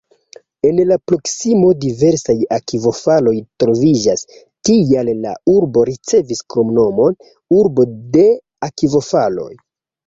En la proksimo diversaj akvofaloj troviĝas, tial la urbo ricevis kromnomon "urbo de akvofaloj".